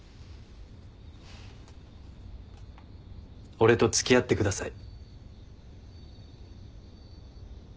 俺と付き合ってください。